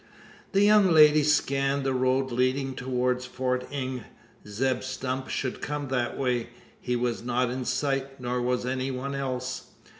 The young lady scanned the road leading towards Fort Inge. Zeb Stump should come that way. He was not in sight; nor was any one else.